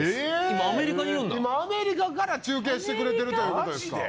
今アメリカから中継してくれてるということですか？